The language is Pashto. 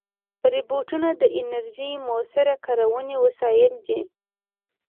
روبوټونه د انرژۍ مؤثره کارونې وسایل دي.